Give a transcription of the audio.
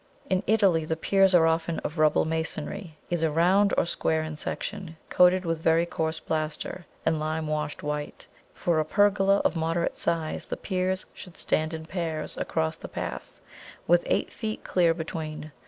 In Italy the piers are often of rubble masonry, either round or square in section, coated with very coarse plaster, and lime washed white. For a pergola of moderate size the piers should stand in pairs across the path, with eight feet clear between.